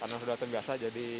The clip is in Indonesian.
karena sudah terbiasa jadi